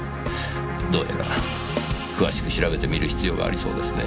どうやら詳しく調べてみる必要がありそうですね。